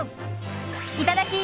いただき！